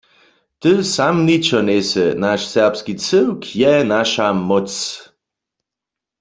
Ty sam ničo njejsy, naš serbski cyłk je naša móc.